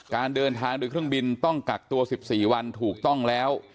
การเดินทางโดยเครื่องบินต้องกักตัว๑๔วันถูกต้องแล้ว